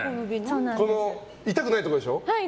痛くないところでしょ？